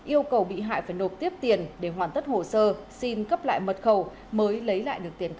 yêu cầu bị hại phải nộp tiếp tiền để hoàn tất hồ sơ xin cấp lại mật khẩu mới lấy lại được tiền